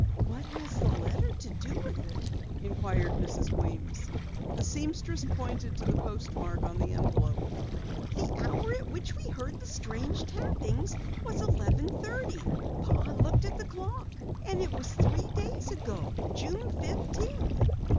"What has the letter to do with it?" inquired Mrs. Weems. The seamstress pointed to the postmark on the envelope. "The hour at which we heard the strange tappings was eleven thirty! Pa looked at the clock. And it was three days ago, June fifteenth."